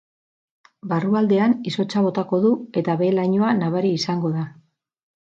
Barrualdean izotza botako du eta behe lainoa nabari izango da.